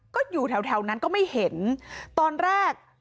ก็อยู่แถวแถวนั้นก็ไม่เห็นตอนแรก